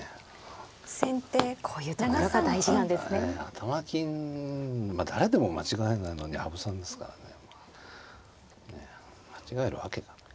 頭金誰でも間違えないのに羽生さんですからねねえ間違えるわけがない。